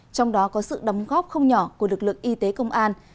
trong đó có sự đóng góp không nhỏ của lực lượng y tế công an